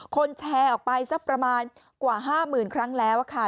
แชร์ออกไปสักประมาณกว่า๕๐๐๐ครั้งแล้วค่ะ